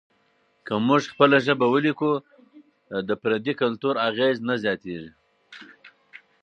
که موږ خپله ژبه ولیکو، پردي کلتور اغېز نه زیاتیږي.